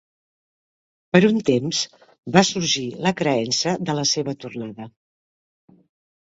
Per un temps va sorgir la creença de la seva tornada.